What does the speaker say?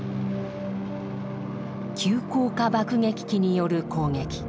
急降下爆撃機による攻撃。